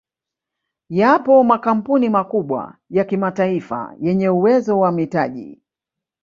Yapo makampuni makubwa ya kimataifa yenye uwezo wa mitaji